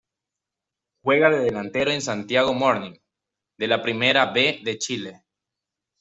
Juega de delantero en Santiago Morning de la Primera B de Chile.